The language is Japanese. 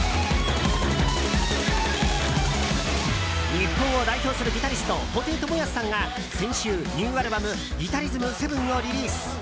日本を代表するギタリスト布袋寅泰さんが先週ニューアルバム「ギタリズム・セブン」をリリース。